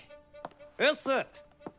うっす！